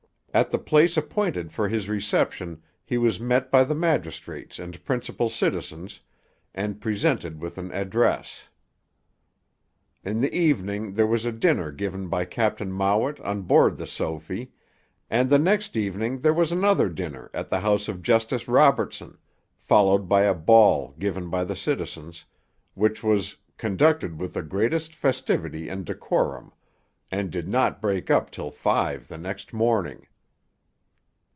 At the place appointed for his reception he was met by the magistrates and principal citizens, and presented with an address. In the evening there was a dinner given by Captain Mowat on board the Sophie; and the next evening there was another dinner at the house of Justice Robertson, followed by a ball given by the citizens, which was 'conducted with the greatest festivity and decorum,' and 'did not break up till five the next morning.'